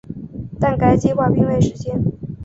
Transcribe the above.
但该计划并未实现。